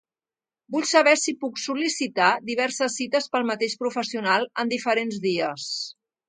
Vull saber si puc sol·licitar diverses cites pel mateix professional en diferents dies.